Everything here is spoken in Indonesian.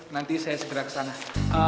nanti saya segera kesana